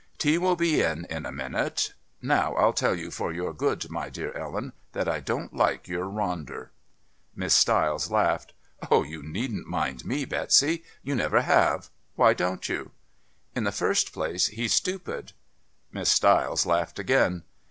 "Tea will be in in a minute.... Now, I'll tell you for your good, my dear Ellen, that I don't like your Ronder." Miss Stiles laughed. "Oh, you needn't mind me, Betsy. You never have. Why don't you?" "In the first place, he's stupid." Miss Stiles laughed again.